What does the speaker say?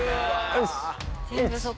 よし！